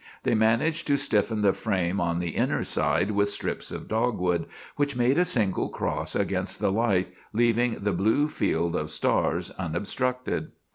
They managed to stiffen the frame on the inner side with strips of dogwood, which made a single cross against the light, leaving the blue field of stars unobstructed.